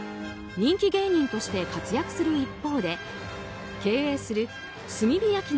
人気芸人として活躍する一方で経営する炭火焼肉